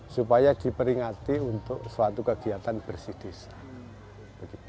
supaya diperingati untuk suatu kegiatan bersih desa